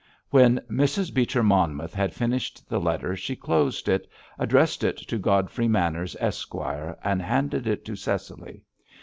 When Mrs. Beecher Monmouth had finished the letter, she closed it, addressed it to Godfrey Manners, Esq., and handed it to Cecily.